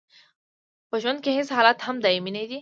په ژوند کې هیڅ حالت هم دایمي نه دی.